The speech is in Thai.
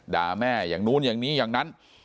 ด่าแม่อย่างนู้นอย่างนี้อย่างนั้น